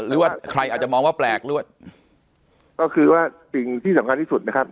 หรือว่าใครอาจจะมองว่าแปลกหรือว่าก็คือว่าสิ่งที่สำคัญที่สุดนะครับ